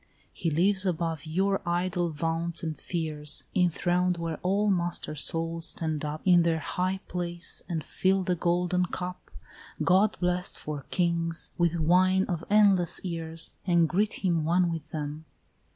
He lives above your idle vaunts and fears, Enthroned where all master souls stand up In their high place, and fill the golden cup, God blest for kings, with wine of endless years, And greet him one with them.